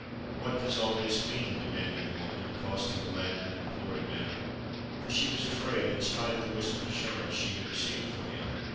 "What does all this mean?" demanded the woman, accosting the lad in an imploring manner—for she was afraid, in spite of the whispered assurance she had received from him.